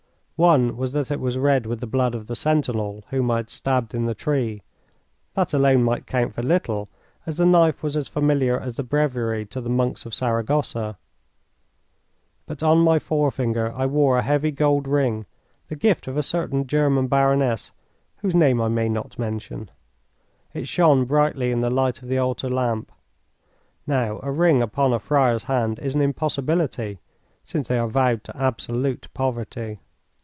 One was that it was red with the blood of the sentinel whom I had stabbed in the tree. That alone might count for little, as the knife was as familiar as the breviary to the monks of Saragossa. But on my forefinger I wore a heavy gold ring the gift of a certain German baroness whose name I may not mention. It shone brightly in the light of the altar lamp. Now, a ring upon a friar's hand is an impossibility, since they are vowed to absolute poverty.